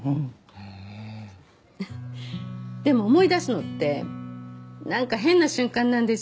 へえーでも思い出すのってなんか変な瞬間なんですよ